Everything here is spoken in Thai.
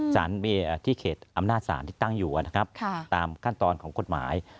ที่เขตอำนาจศาลที่ตั้งอยู่นะครับตามขั้นตอนของกฎหมาย